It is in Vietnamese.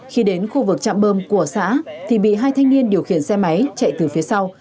khi đến khu vực chạm bơm của xã thì bị hai thanh niên điều khiển xe máy chạy từ phía sau